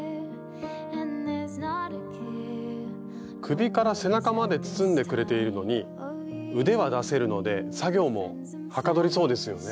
首から背中まで包んでくれているのに腕は出せるので作業もはかどりそうですよね。